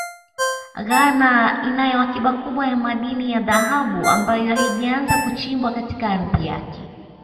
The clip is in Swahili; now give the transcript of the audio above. Ghana inayo akiba kubwa ya madini ya dhahabu ambayo haijaanza kuchimbwa katika ardhi yake